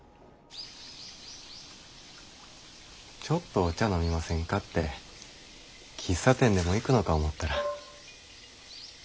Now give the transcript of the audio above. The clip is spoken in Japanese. ちょっとお茶飲みませんかって喫茶店でも行くのか思ったら。